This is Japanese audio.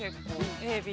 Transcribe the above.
ＡＢ。